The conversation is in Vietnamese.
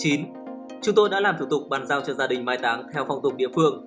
chúng tôi đã làm thủ tục bàn giao cho gia đình mai táng theo phong tục địa phương